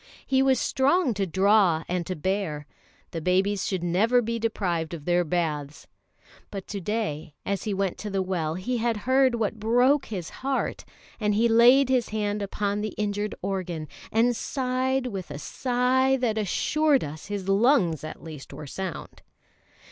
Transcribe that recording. He was strong to draw and to bear. The babies should never be deprived of their baths! But to day as he went to the well he had heard what broke his heart; and he laid his hand upon the injured organ, and sighed with a sigh that assured us his lungs at least were sound.